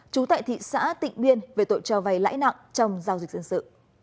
trú tại thị xã tịnh biên về tội cho vay lãi nặng trong giao dịch dân sự